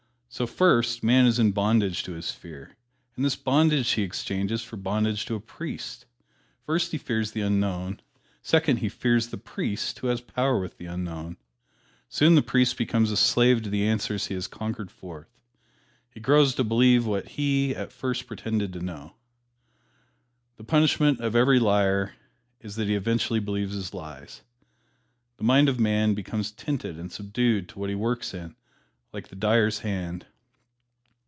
So first, man is in bondage to his fear, and this bondage he exchanges for bondage to a priest. First, he fears the unknown; second, he fears the priest who has power with the unknown. Soon the priest becomes a slave to the answers he has conjured forth. He grows to believe what he at first pretended to know. The punishment of every liar is that he eventually believes his lies. The mind of man becomes tinted and subdued to what he works in, like the dyer's hand.